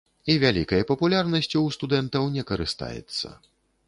І вялікай папулярнасцю ў студэнтаў не карыстаецца.